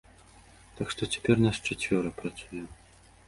Так што цяпер нас чацвёра працуе.